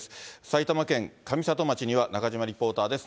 埼玉県上里町には、中島リポーターです。